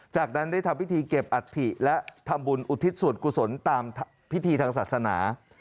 จากนั้นได้ทำพิธีเก็บอัฐิและทำบุญอุทิศส่วนกุศลตามพิธีทางศาสนา